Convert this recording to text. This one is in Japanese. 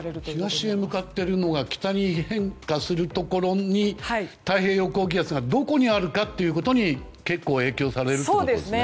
東へ向かっているのが北に変化するところに太平洋高気圧がどこにあるかということに結構影響されるということですね。